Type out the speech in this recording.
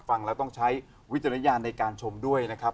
ฟังแล้วต้องใช้วิจารณญาณในการชมด้วยนะครับ